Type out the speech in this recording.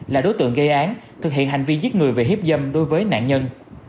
là đối tượng gây án thực hiện hành vi giết người và hiếp dâm đối với nạn nhân